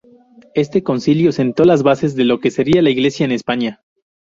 Este concilio sentó las bases de lo que sería la Iglesia en España.